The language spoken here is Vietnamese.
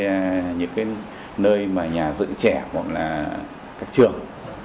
những cái nơi mà nhà dựng trẻ hoặc là các trường